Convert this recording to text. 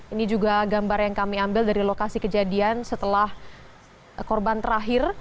ini juga gambar yang kami ambil dari lokasi kejadian setelah korban terakhir